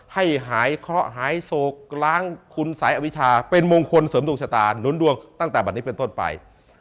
ให้หายเคราะห์หายโศกล้างคุณสายอวิชาเป็นมงคลเสริมดวงชะตาหนุนดวงตั้งแต่บัตรนี้เป็นต้นไป